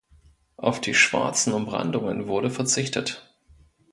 Auf die schwarzen Umrandungen wurde verzichtet.